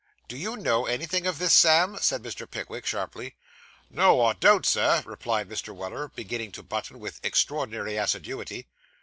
'Do you know anything of this, Sam?' said Mr. Pickwick sharply. 'No, I don't, sir,' replied Mr. Weller, beginning to button with extraordinary assiduity.